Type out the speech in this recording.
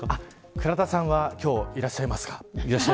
倉田さんは今日、いらっしゃいますが。